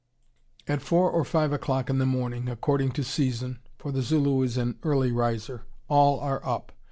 "At four or five o'clock in the morning, according to season, for the Zulu is an early riser, all are up.